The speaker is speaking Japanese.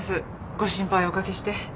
ご心配おかけして。